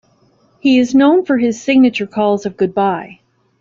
He is known for his signature calls of Goodbye!